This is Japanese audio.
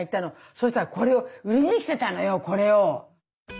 そしたらこれを売りに来てたのよこれを。